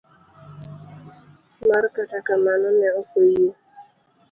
D. mar Kata kamano, ne ok oyie.